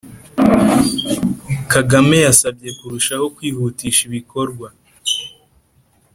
Kagame yasabye kurushaho kwihutisha ibikorwa